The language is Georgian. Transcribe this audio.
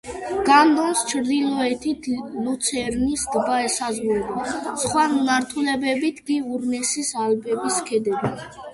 კანტონს ჩრდილოეთით ლუცერნის ტბა ესაზღვრება, სხვა მიმართულებებით კი ურნერის ალპების ქედები.